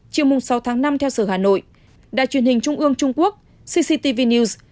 chiều mùng sáu tháng năm theo sở hà nội đài truyền hình trung ương trung quốc cctv news